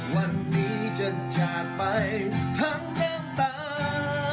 วันนี้จะจากไปทั้งเรื่องตา